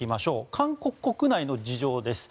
韓国国内の事情です。